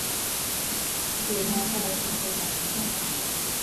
去当代艺术馆看展览